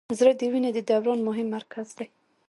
زړه د وینې د دوران مهم مرکز دی.